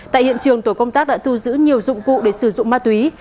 tại hiện trường tổ công tác đã thu giữ nhiều dụng cụ để sử dụng ma túy